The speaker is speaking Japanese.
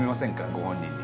ご本人に。